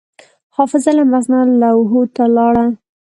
حافظه له مغز نه لوحو ته لاړه.